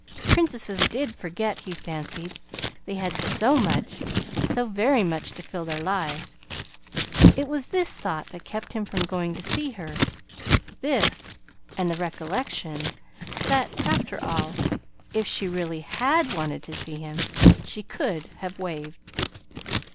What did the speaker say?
Princesses did forget, he fancied, they had so much, so very much to fill their lives. It was this thought that kept him from going to see her this, and the recollection that, after all, if she really HAD wanted to see him, she could have waved.